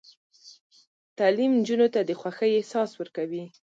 تعلیم نجونو ته د خوښۍ احساس ورکوي.